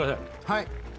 はい。